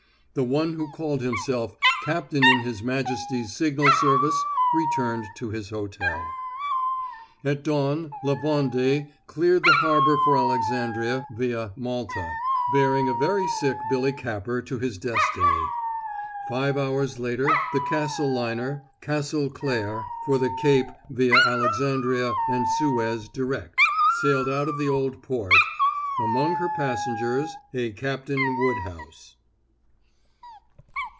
The one who called himself "captain in his majesty's signal service" returned to his hotel. At dawn, La Vendée cleared the harbor for Alexandria via Malta, bearing a very sick Billy Capper to his destiny. Five hours later the Castle liner, Castle Claire, for the Cape via Alexandria and Suez direct, sailed out of the Old Port, among her passengers a Captain Woodhouse.